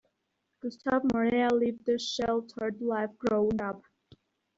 Gustave Moreau lived a sheltered life growing up.